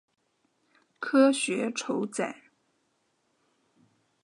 科学酬载